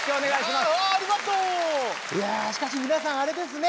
いやしかし皆さんあれですね。